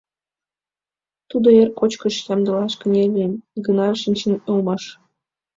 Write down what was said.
Тудо эр кочкыш ямдылаш кынелын гына шинчын улмаш.